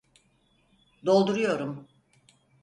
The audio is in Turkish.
Dolduruyorum!